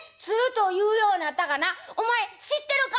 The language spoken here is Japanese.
お前知ってるか？」。